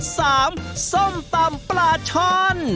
ส้มตำปลาช่อน